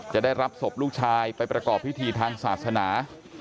จะได้รับศพลูกชายไปประกอบพิธีทางศาสนา